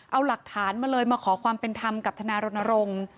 เอาหลักฐานมาเลยมาขอความเป็นธรรมกับทนายรณรงค์